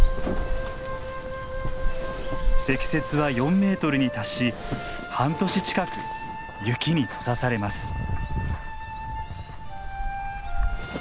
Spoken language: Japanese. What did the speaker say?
積雪は４メートルに達し半年近く雪に閉ざされます。